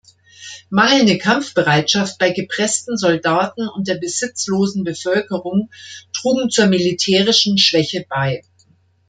Mangelnde Kampfbereitschaft bei gepressten Soldaten und der besitzlosen Bevölkerung trugen zur militärischen Schwäche bei.